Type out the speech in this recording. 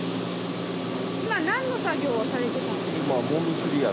今何の作業をされてたんですか？